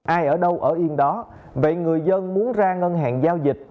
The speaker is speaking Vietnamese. ai ở đâu ở yên đó vậy người dân muốn ra ngân hàng giao dịch